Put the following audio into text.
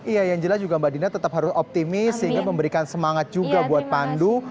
iya yang jelas juga mbak dina tetap harus optimis sehingga memberikan semangat juga buat pandu